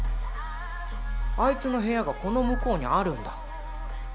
あいつの部屋がこの向こうにあるんだ。